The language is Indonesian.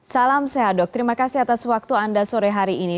salam sehat dok terima kasih atas waktu anda sore hari ini